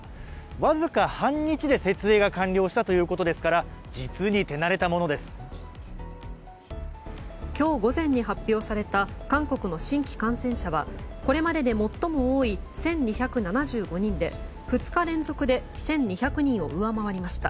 わずか半日で設営が完了したということですから今日午前に発表された韓国の新規感染者はこれまでで最も多い１２７５人で、２日連続で１２００人を上回りました。